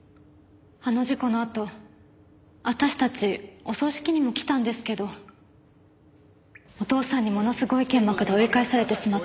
あの事故のあと私たちお葬式にも来たんですけどお父さんにものすごい剣幕で追い返されてしまって。